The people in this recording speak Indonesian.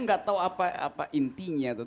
gak tahu apa intinya itu